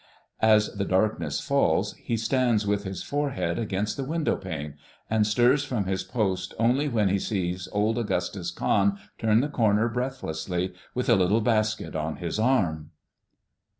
As the darkness falls, he stands with his forehead against the window pane, and stirs from his post only when he sees old Augustus Cahn turn the corner breathlessly, with a little basket on his arm.